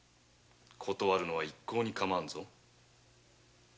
断るのは一向にかまわんぞ。